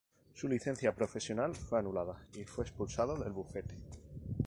Su Licencia profesional fue anulada y fue expulsado del bufete.